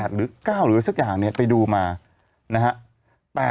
๘หรือ๙หรู๒๐๑๐ไปดูมานะฮะ